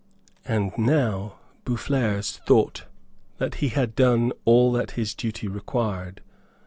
And now Boufflers thought that he had done all that his duty required.